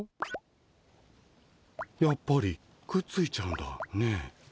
やっぱりくっついちゃうんだね。